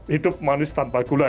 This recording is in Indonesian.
hidup manis tanpa gula